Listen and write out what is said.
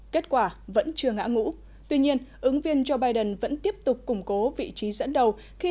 kết quả vẫn chưa ngã ngũ tuy nhiên ứng viên joe biden vẫn tiếp tục củng cố vị trí dẫn đầu khi